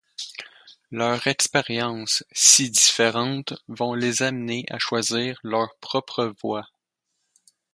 Leurs expériences, si différentes, vont les amener à choisir leur propre voie.